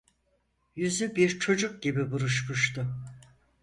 Yüzü bir çocuk gibi buruşmuştu.